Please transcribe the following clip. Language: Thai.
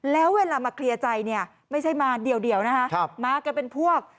แล้วเวลามาเคลียร์ใจเนี่ยไม่ใช่มาเดียวนะคะมากันเป็นพวก